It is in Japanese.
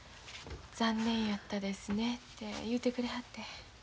残念やったですねて言うてくれはって。